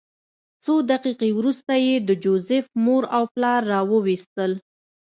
څو دقیقې وروسته یې د جوزف مور او پلار راوویستل